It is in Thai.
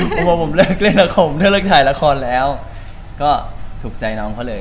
ผมว่าผมเลิกเล่นละครผมเลิกเลิกถ่ายละครแล้วก็ถูกใจน้องเค้าเลย